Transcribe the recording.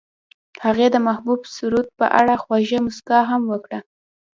هغې د محبوب سرود په اړه خوږه موسکا هم وکړه.